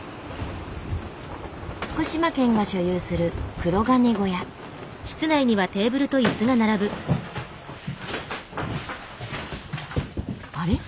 福島県が所有するあれ？